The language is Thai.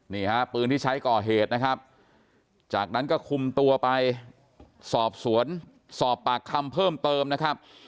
นี่ฮะปืนที่ใช้ก่อเหตุนะครับจากนั้นก็คุมตัวไปสอบสวนสอบปากคำเพิ่มเติมนะครับ